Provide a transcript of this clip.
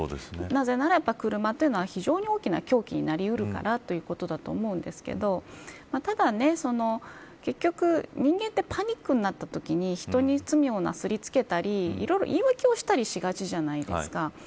なぜならば車というのは非常に大きな凶器になり得るからということだと思うんですけどただ、結局人間ってパニックになったときに人に罪をなすりつけたりいろいろ言い訳をしたりしがちじゃないですか。